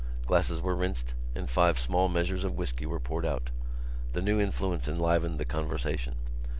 Glasses were rinsed and five small measures of whisky were poured out. This new influence enlivened the conversation.